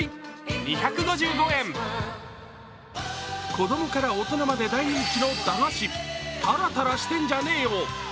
子供から大人まで大人気の駄菓子、タラタラしてんじゃねーよ。